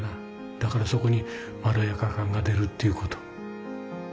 だからそこにまろやか感が出るっていうこと。